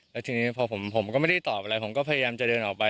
แล้วทีนี้พอผมก็ไม่ได้ตอบอะไรผมก็พยายามจะเดินออกไป